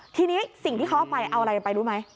ทีนี้สิ่งที่เขาเอาไปเอาอะไรไปรู้ไหม